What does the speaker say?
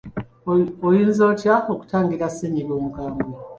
Oyinza otya okutangira ssennyiga omukambwe?